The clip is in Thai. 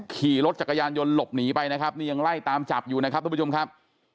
ขี่รถจักรยานยนต์หลบหนีไปนะครับนี่ยังไล่ตามจับอยู่นะครับทุกผู้ชมครับ